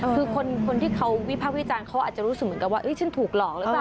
คือคนที่เขาวิภาควิจารณ์เขาอาจจะรู้สึกเหมือนกับว่าฉันถูกหลอกหรือเปล่า